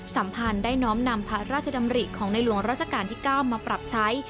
สัมพันธ์ได้น้อมนำพระราชดำริของในหลวงราชการที่๙มาปรับใช้